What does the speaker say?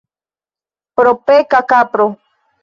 Propeka kapro.